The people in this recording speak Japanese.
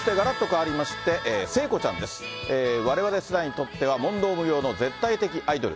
われわれ世代にとっては問答無用の絶対的アイドル。